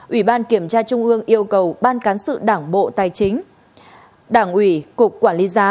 ủy ban kiểm tra trung ương yêu cầu ban cán sự đảng bộ tài chính đảng ủy cục quản lý giá